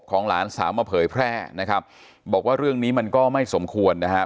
หลานสาวมาเผยแพร่นะครับบอกว่าเรื่องนี้มันก็ไม่สมควรนะครับ